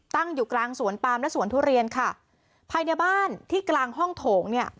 ตั้งอยู่กลางสวนปามและสวนทุเรียนค่ะภายในบ้านที่กลางห้องโถงเนี่ย